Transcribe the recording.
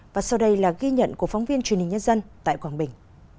và sau đây là ghi nhận của phóng viên truyền hình nhân dân tại quảng bình